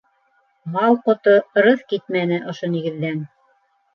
Мал ҡото, ырыҫ китмәне ошо нигеҙҙән.